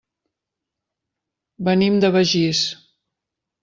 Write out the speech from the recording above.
Venim de Begís.